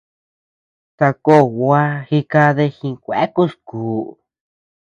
Sakó gua jikadi jidkueakus kú.